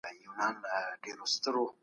موږ د اوبو په څښلو اخته یو.